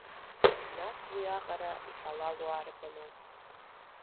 Нас уи аҟара иҳалалу арбану?